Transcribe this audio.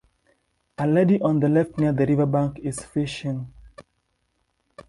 A lady on the left near the river bank is fishing.